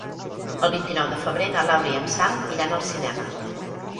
El vint-i-nou de febrer na Laura i en Sam iran al cinema.